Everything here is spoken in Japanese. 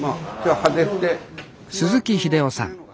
鈴木英雄さん。